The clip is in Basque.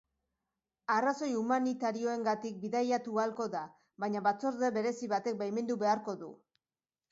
Arrazoi humanitarioengatik bidaiatu ahalko da, baina batzorde berezi batek baimendu beharko du.